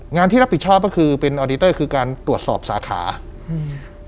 งานที่รับผิดชอบก็คือเป็นคือการตรวจสอบสาขาอืม